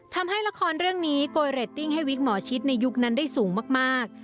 ทำให้ละครเรื่องนี้โกยเรตติ้งให้วิกหมอชิดในยุคนั้นได้สูงมาก